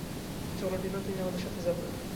চলো টিনা তুমিও আমাদের সাথে যাবে।